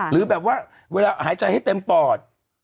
หรือแบบว่าเวลาหายใจให้เต็มปอด